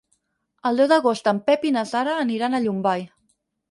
El deu d'agost en Pep i na Sara aniran a Llombai.